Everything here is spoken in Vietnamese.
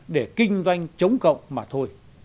để kinh doanh chống cộng mà thôi